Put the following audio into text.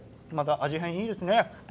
味変いいですね。